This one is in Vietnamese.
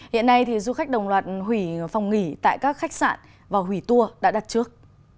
hiện nay du khách đồng loạt hủy phòng nghỉ tại các khách sạn và hủy tour đã đặt trước